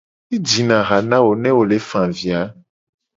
Ejina ha na wo ne wo le fa avi a.